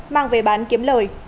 mang về bán kiếm lời